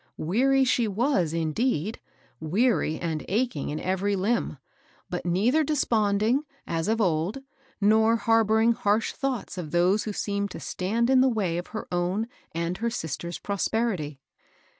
Weary she was, indeed, — weary, and achiqg in every limb ; but neither de sponding, as of old, nor harboring harsh thoughts of those who seemed to stand in the way of her own and her sister's prosperity.